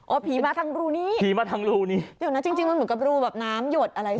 โอ้ผีมาทั้งรูนี้นะจริงมันเหมือนกับรูแบบน้ำหยดอะไรสัก